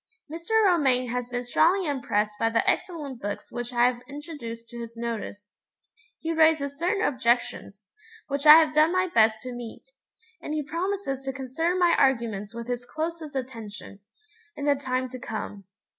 Mr. Romayne has been strongly impressed by the excellent books which I have introduced to his notice. He raises certain objections, which I have done my best to meet; and he promises to consider my arguments with his closest attention, in the time to come.